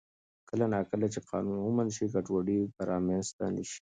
کله نا کله چې قانون ومنل شي، ګډوډي به رامنځته نه شي.